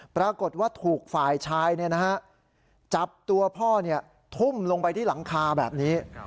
ปรากฏว่าถูกฝ่ายชายจับตัวพ่อทุ่มลงไปที่หลังคาแบบนี้